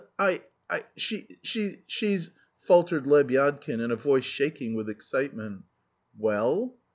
"I... I... she's... she's..." faltered Lebyadkin in a voice shaking with excitement. "Well?"